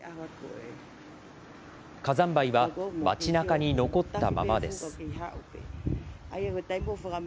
火山灰は街なかに残ったままです。